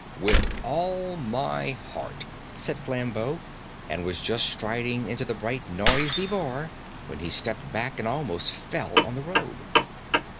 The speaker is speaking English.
"With all my heart," said Flambeau, and was just striding into the bright, noisy bar when he stepped back and almost fell on the road.